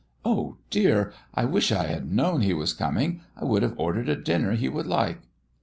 "Oh dear! I wish I had known he was coming. I would have ordered a dinner he would like."